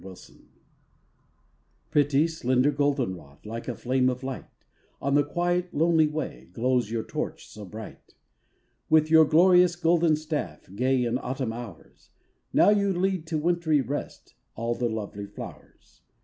GOLDEN ROD Pretty, slender golden rod, Like a flame of light, On the quiet, lonely way, Glows your torch so bright. With your glorious golden staff, Gay in autumn hours, Now you lead to wintry rest, All the lovely flowers.